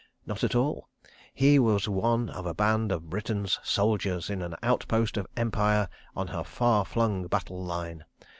Not at all. He was one of a band of Britain's soldiers in an outpost of Empire on her far flung battle line.